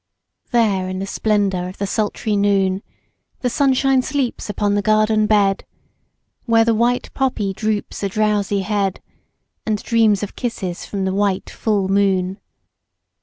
There in the splendour of the sultry noon The sunshine sleeps upon the garden bed, Where the white poppy droops a drowsy head And dreams of kisses from the white full moon.